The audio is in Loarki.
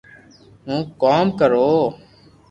ھون ڪوم ڪرو